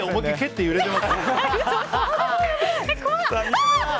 揺れてます。